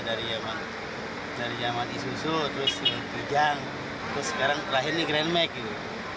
dari yamat isusu terus kijang terus sekarang lahir nih grand mag gitu